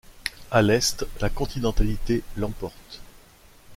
À l'est, la continentalité l'emporte.